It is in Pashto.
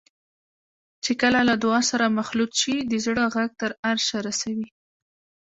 چې کله له دعا سره مخلوط شي د زړه غږ تر عرشه رسوي.